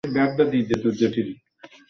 কেন তা জানি না।